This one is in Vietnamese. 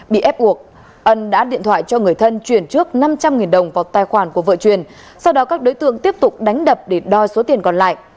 bị ép buộc ân đã điện thoại cho người thân chuyển trước năm trăm linh đồng vào tài khoản của vợ truyền sau đó các đối tượng tiếp tục đánh đập để đo số tiền còn lại